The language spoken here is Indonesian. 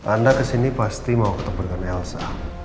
anda kesini pasti mau ketemu dengan elsa